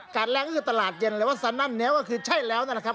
แรงก็คือตลาดเย็นเลยว่าสนั่นแนวก็คือใช่แล้วนะครับ